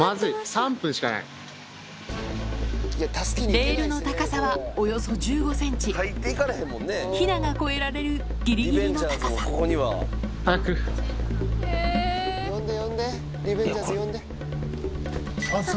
レールの高さはおよそ１５ｃｍヒナが越えられるギリギリの高さ呼んで呼んでリベンジャーズ呼んで。